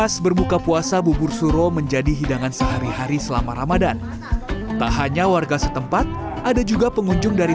suro menjadi hidangan sehari hari selama ramadan tak hanya warga setempat ada juga pengunjung dari